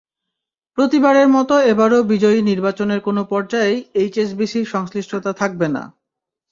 প্রতিবারের মতো এবারও বিজয়ী নির্বাচনের কোনো পর্যায়েই এইচএসবিসির সংশ্লিষ্টতা থাকবে না।